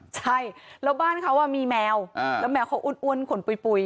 ใช่แล้วบ้านเขามีแมวแล้วแมวเขาอ้วนขนปุ๋ย